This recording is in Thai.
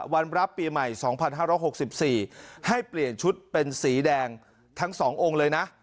รับปีใหม่๒๕๖๔ให้เปลี่ยนชุดเป็นสีแดงทั้ง๒องค์เลยนะ